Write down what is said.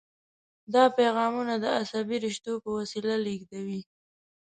دا پیغامونه د عصبي رشتو په وسیله لیږدوي.